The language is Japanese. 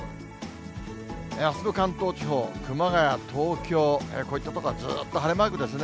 あすの関東地方、熊谷、東京、こういった所はずっと晴れマークですね。